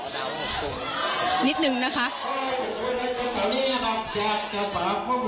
นิดนึงนะคะ